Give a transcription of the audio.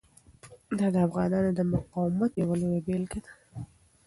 دا د افغانانو د مقاومت یوه لویه بیلګه ده.